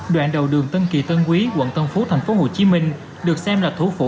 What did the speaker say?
đoạn đầu đường tân kỳ tân quý quận tân phú tp hcm được xem là thủ phủ